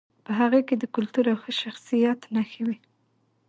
په هغې کې د کلتور او ښه شخصیت نښې وې